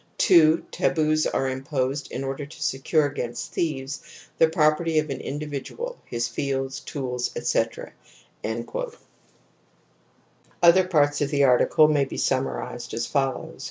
2. Taboos are imposed in order to secure against thieves the property of an individual, his fields, tools, etc." Other parts of the article may be smnmarized as follows.